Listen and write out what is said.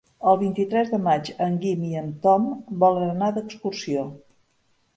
El vint-i-tres de maig en Guim i en Tom volen anar d'excursió.